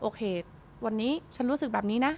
โอเควันนี้ฉันรู้สึกแบบนี้นะ